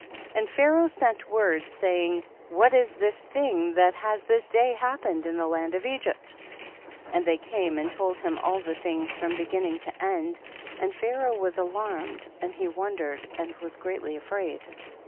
48. And Pharaoh sent word, say ing, what is this thing that has this day happened in the land of Egypt ? and they came and told him all the things from beginning to end, and Pharaoh was alarmed and he won « dered and was greatly afraid.